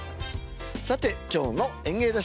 さて今日の演芸です。